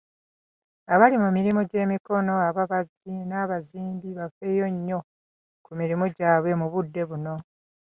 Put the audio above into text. Abali mu mirimu gy'emikono, ababazzi, n'abazimbi, bafeeyo nnyo ku mirimu gyabwe mu budde buno.